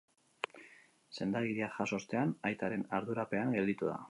Sendagiria jaso ostean aitaren ardurapean gelditu da.